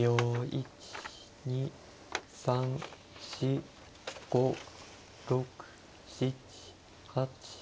１２３４５６７８。